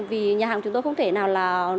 vì nhà hàng chúng tôi không thể nào là